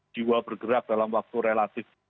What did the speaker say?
jiwa bergerak dalam waktu relatif